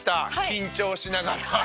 緊張しながら。